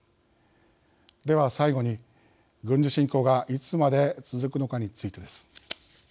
では最後に軍事侵攻がいつまで続くのかについてです。